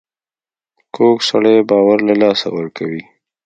کوږ سړی باور له لاسه ورکوي